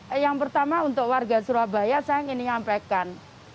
ya yang pertama untuk warga surabaya saya ingin menyampaikan